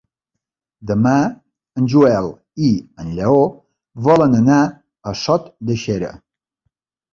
Demà en Joel i en Lleó volen anar a Sot de Xera.